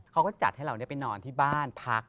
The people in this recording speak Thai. เขาก็จัดให้เราได้ไปนอนที่บ้านพัก